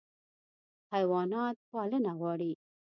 حیوانات پالنه غواړي.